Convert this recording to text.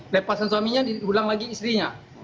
lepaskan suaminya diulang lagi istrinya